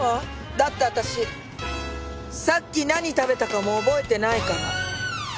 だって私さっき何食べたかも覚えてないから。